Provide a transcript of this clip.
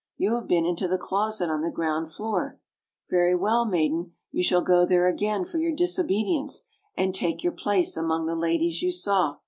You have been into the closet on the ground floor. Very well, madam! you shall go there again, for your disobedience, and take your place among the ladies you saw."